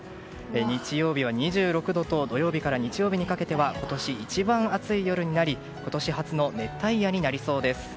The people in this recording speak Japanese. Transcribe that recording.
日曜日は２６度と土曜日から日曜日にかけては今年一番暑い夜になり今年初の熱帯夜になりそうです。